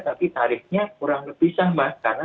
tapi tarifnya kurang lebih sama karena